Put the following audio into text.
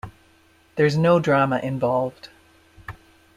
There's no drama involved.